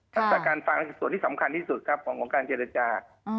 ลักษณะการฟังส่วนที่สำคัญที่สุดครับของการเจรจา